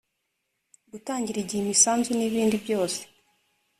gutangira igihe imisanzu n ibindi byose